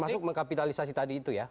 termasuk mengkapitalisasi tadi itu ya